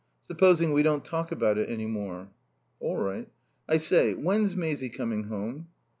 Supposing we don't talk about it any more." "All right. I say, when's Maisie coming home?"